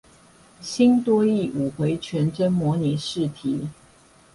新多益五回全真模擬試題